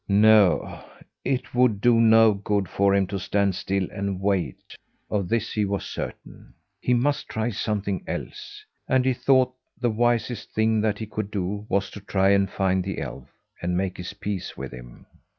No, it would do no good for him to stand still and wait, of this he was certain. He must try something else. And he thought the wisest thing that he could do was to try and find the elf, and make his peace with him.